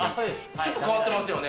ちょっと変わってますよね。